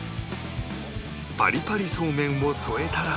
パリパリそうめんを添えたら